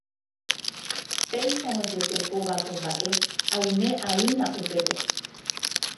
péicharõ jepe kóva ko mba'e aime'aína upépe